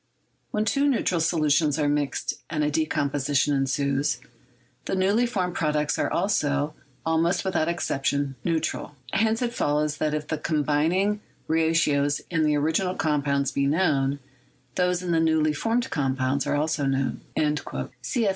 ... When two neutral solu tions are mixed and a decomposition ensues, the newly formed products are also, almost without exception, neu tral. ... Hence it follows that if the combining ra tios in the original compounds be known, those in the newly formed compounds are known also." C.